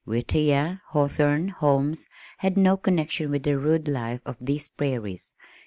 Whittier, Hawthorne, Holmes, had no connection with the rude life of these prairies.